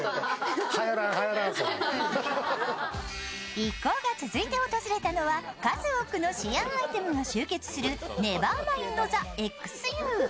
一行が続いて訪れたのは、数多くのシアーアイテムが集結するＮｅｖｅｒｍｉｎｄｔｈｅＸＵ。